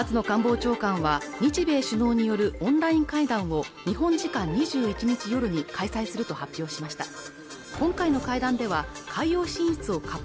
官房長官は日米首脳によるオンライン会談を日本時間２１日夜に開催すると発表しました